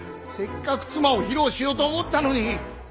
せっかく妻を披露しようと思ったのに。